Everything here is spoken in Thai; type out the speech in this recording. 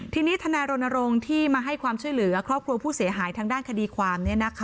ทีนี้ทนายรณรงค์ที่มาให้ความช่วยเหลือครอบครัวผู้เสียหายทางด้านคดีความ